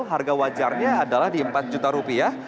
harga wajarnya adalah di empat juta rupiah